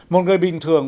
một người bình thường